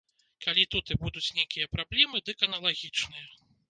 Калі тут і будуць нейкія праблемы, дык аналагічныя.